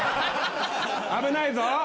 危ないぞ。